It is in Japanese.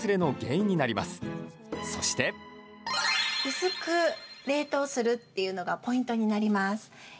薄く冷凍するっていうのがポイントになります。